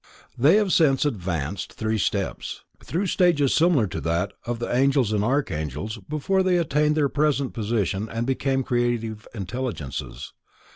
They have since advanced three steps, through stages similar to that of the Angels and Archangels, before they attained their present position and became creative intelligences.